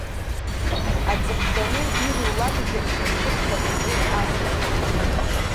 Аҵыхәтәаны, ирулакгьы, ршьамхы рҽадыргеит асасцәа.